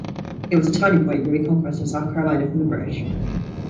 It was a turning point in the reconquest of South Carolina from the British.